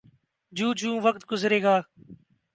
جوں جوں وقت گزرے گا۔